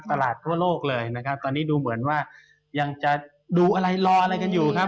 ตลาดทั่วโลกเลยนะครับตอนนี้ดูเหมือนว่ายังจะดูอะไรรออะไรกันอยู่ครับ